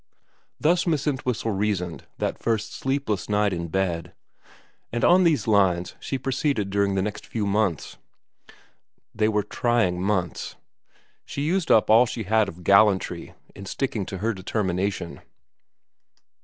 Thus Miss Entwhistle reasoned that first sleepless night in bed, and on these lines she proceeded during the next few months. They were trying months. She used up all she had of gallantry in sticking to her deter mination.